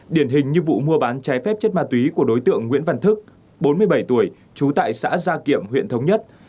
điển hình như vụ mua bán trái phép chất ma túy của đối tượng nguyễn văn thức bốn mươi bảy tuổi trú tại xã gia kiệm huyện thống nhất